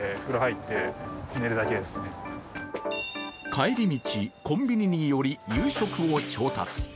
帰り道、コンビニに寄り夕食を調達。